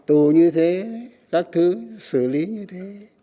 tù như thế các thứ xử lý như thế